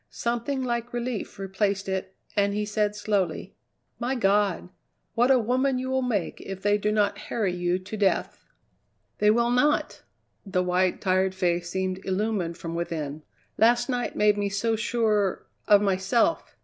Something like relief replaced it, and he said slowly: "My God! what a woman you will make if they do not harry you to death." "They will not!" The white, tired face seemed illumined from within. "Last night made me so sure of myself.